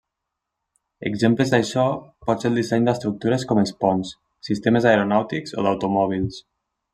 Exemples d'això pot ser el disseny d'estructures com els ponts, sistemes aeronàutics o d'automòbils.